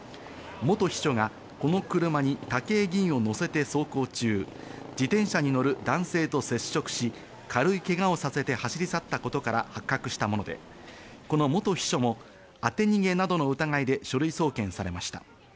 元秘書がこの車に武井議員を乗せて走行中、自転車に乗る男性と接触し、軽いけがをさせて走り去ったことから発覚したもので、この元秘書も当て逃げなどの疑いで書類送検されました。